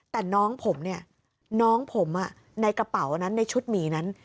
แต่น้องผมเนี่ยน้องผมในกระเป๋านั้นในชุดหมีนั้น